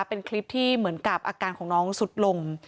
เป็นคลิปที่เหมือนกับอาการของน้องสุดลง